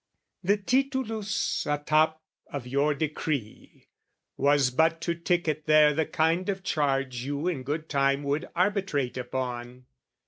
The Titulus a top of your decree Was but to ticket there the kind of charge You in good time would arbitrate upon.